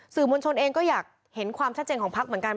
มวลชนเองก็อยากเห็นความชัดเจนของพักเหมือนกัน